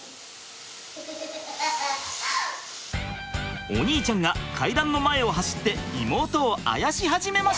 お兄ちゃんが階段の前を走って妹をあやし始めました！